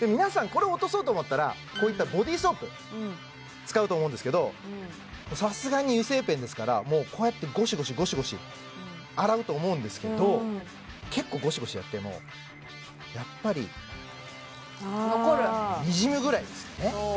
これ落とそうと思ったらこういったボディーソープ使うと思うんですけどさすがに油性ペンですからもうこうやってゴシゴシゴシゴシ洗うと思うんですけど結構ゴシゴシやってもやっぱり残るにじむぐらいですよね